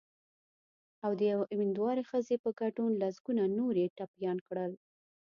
او د یوې امېندوارې ښځې په ګډون لسګونه نور یې ټپیان کړل